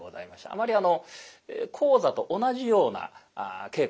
あまりあの高座と同じような稽古じゃないんですね。